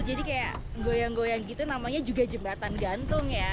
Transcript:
jadi kayak goyang goyang gitu namanya juga jembatan gantung ya